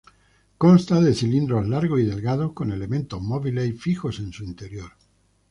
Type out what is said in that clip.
Constan de cilindros largos y delgados con elementos móviles y fijos en su interior.